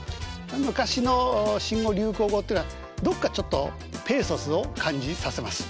昔の新語・流行語っていうのはどっかちょっとペーソスを感じさせます。